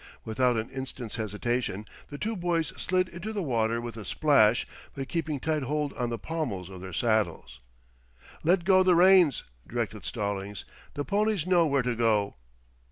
Without an instant's hesitation the two boys slid into the water with a splash, but keeping tight hold on the pommels of their saddles. "Let go the reins," directed Stallings. "The ponies know where to go."